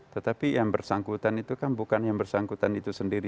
tetapi yang bersangkutan itu kan bukan yang bersangkutan itu sendiri